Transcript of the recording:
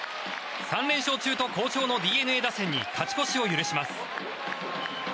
３連勝中と好調のＤｅＮＡ打線に勝ち越しを許します。